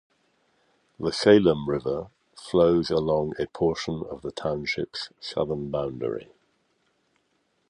The Salem River flows along a portion of the township's southern boundary.